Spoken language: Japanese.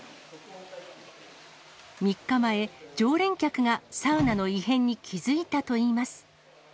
３日前、常連客がサウナの異変に気付いたといいます。